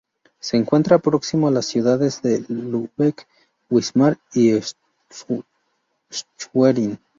Se encuentra próximo a las ciudades de Lübeck, Wismar y Schwerin.